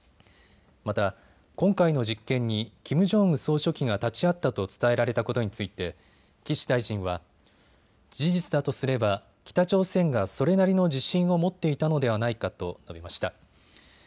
また、今回の実験にキム・ジョンウン総書記が立ち会ったと伝えられたことについて岸大臣は、事実だとすれば北朝鮮がそれなりの自信を持っていたのではないかと述べました。